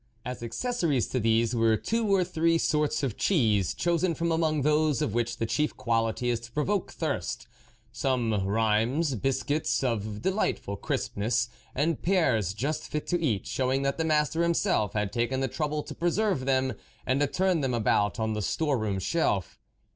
As accessories to these were two or three sorts of cheese, chosen from among those of which the chief quality is to provoke thirst, some Reims biscuits, of delightful crispness, and pears just fit to eat, showing that the master himself had taken the trouble to preserve them, and to turn them about on the store room shelf.